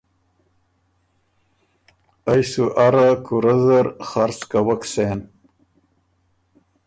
ائ سُو اره کُورۀ زر خرڅ کوک سېن۔